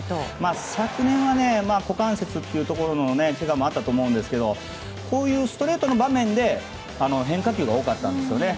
昨年は股関節というところのけがもあったと思いますがこういうストレートの場面で変化球が多かったんですね。